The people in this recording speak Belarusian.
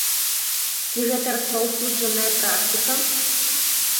Ці гэта распаўсюджаная практыка?